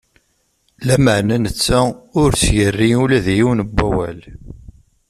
Lameɛna netta ur s-yerri ula d yiwen n wawal.